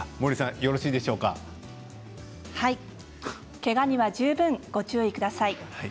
けがには十分ご注意ください。